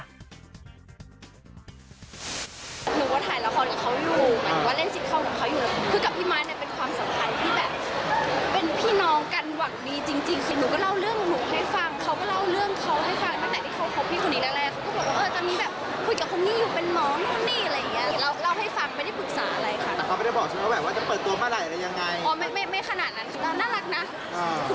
หนูก็ถ่ายละครของเขาอยู่แบบว่าเล่นชิดของเขาอยู่